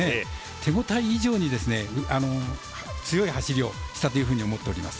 手応え以上に強い走りをしたと思っております。